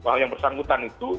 hal yang bersangkutan itu